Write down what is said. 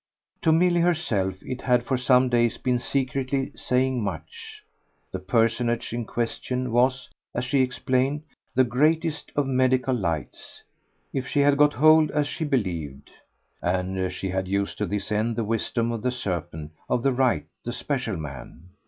To Milly herself it had for some days been secretly saying much. The personage in question was, as she explained, the greatest of medical lights if she had got hold, as she believed (and she had used to this end the wisdom of the serpent) of the right, the special man.